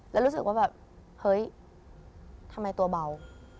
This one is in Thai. แล้วรู้สึกว่าแบบเฮ้ยทำไมตัวเบา